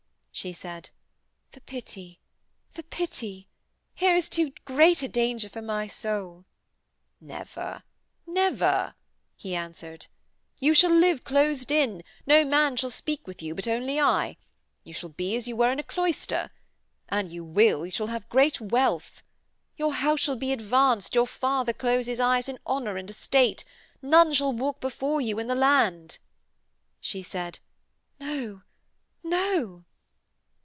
She said: 'For pity, for pity. Here is a too great danger for my soul.' 'Never, never,' he answered. 'You shall live closed in. No man shall speak with you but only I. You shall be as you were in a cloister. An you will, you shall have great wealth. Your house shall be advanced; your father close his eyes in honour and estate. None shall walk before you in the land.' She said: 'No. No.'